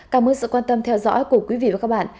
cảm ơn sự quan tâm theo dõi của quý vị và các bạn